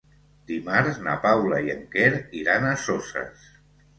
Dimarts na Paula i en Quer iran a Soses.